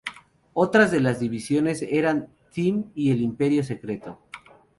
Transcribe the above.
Otras de las divisiones eran Them y el Imperio Secreto.